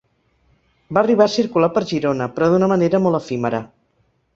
Va arribar a circular per Girona, però d'una manera molt efímera.